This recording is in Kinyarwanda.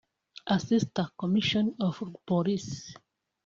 Assistant Commissioner of Police